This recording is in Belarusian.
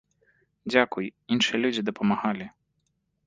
Дзякуй, іншыя людзі дапамагалі!